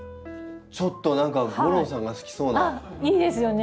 ちょっと何か吾郎さんが好きそうなまた雰囲気に。